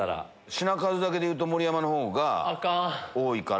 品数だけでいうと盛山の方が多いから。